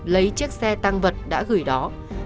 lấy chiếc xe tăng vật đã gửi đó